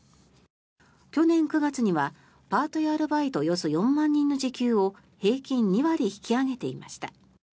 去年９月にはパートやアルバイトおよそ４万人の時給を平均２割引き上げていました。